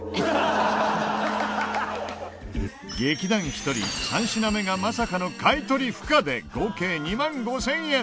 劇団ひとり３品目がまさかの買い取り不可で合計２万５０００円。